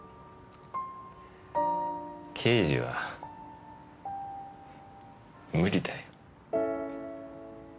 刑事は無理だよ。